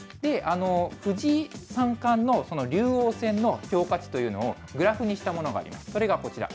藤井三冠の竜王戦の評価値というのをグラフにしたものがあります、それがこちら。